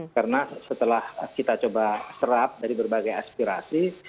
karena setelah kita coba serap dari berbagai aspirasi